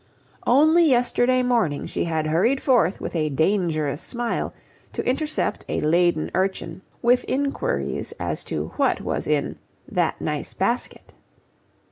Only yesterday morning she had hurried forth with a dangerous smile to intercept a laden urchin, with inquires as to what was in "that nice basket".